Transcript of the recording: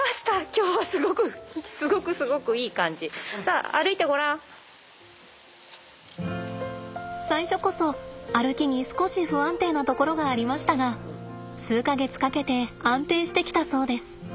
今日はすごく最初こそ歩きに少し不安定なところがありましたが数か月かけて安定してきたそうです。